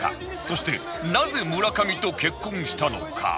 そしてなぜ村上と結婚したのか？